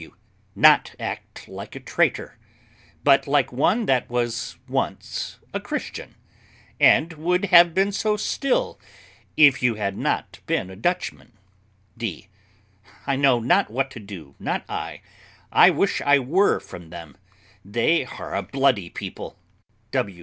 W. Not act like a traitor, but like one that was once a Christian, and would have been so still, if you had not been a Dutchman. D. I know not what to do, not I. I wish I were from them; they are a bloody people.